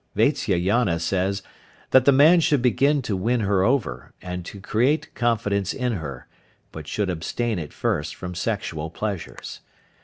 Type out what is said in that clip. Vatsyayana says that the man should begin to win her over, and to create confidence in her, but should abstain at first from sexual pleasures.